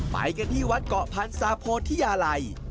ไปกันที่วัดเกาะพันธ์สาโพธิยาลัย